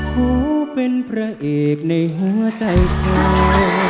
ฮู้เป็นพระเอกในหัวใจของ